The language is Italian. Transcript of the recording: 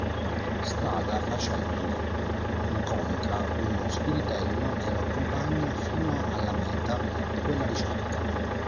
Strada facendo incontra uno spiritello che lo accompagna fino alla meta di quella ricerca.